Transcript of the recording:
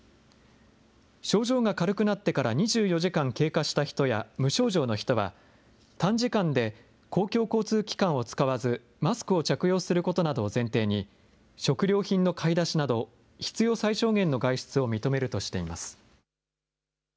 症状が軽くなってから２４時間経過した人や無症状の人は、短時間で公共交通機関を使わず、マスクを着用することなどを前提に、食料品の買い出しなど必要最小限の外出を認めるとしています。